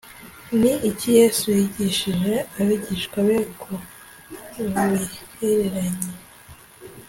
Ni iki Yesu yigishije abigishwa be ku bihereranye